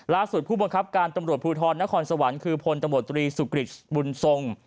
ผู้บังคับการตำรวจภูทรนครสวรรค์คือพลตำรวจตรีสุกริตบุญทรง